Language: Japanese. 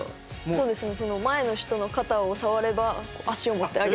そうですね